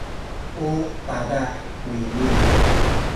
u paza’ kuyni.